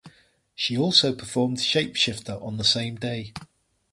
She also performed "Shapeshifter" on the same day.